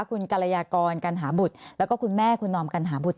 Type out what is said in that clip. คุณกรยากรกัณหาบุตรแล้วก็คุณแม่คุณนอมกัณหาบุตร